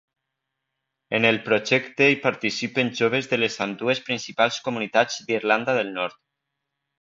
En el projecte hi participen joves de les ambdues principals comunitats d'Irlanda del Nord.